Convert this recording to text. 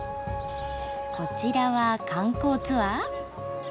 こちらは観光ツアー？